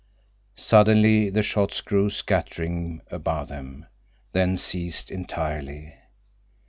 Suddenly the shots grew scattering above them, then ceased entirely.